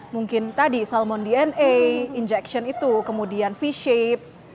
mungkin tadi salmon dna injection itu kemudian v shape